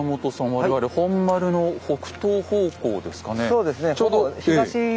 我々本丸の北東方向ですかね？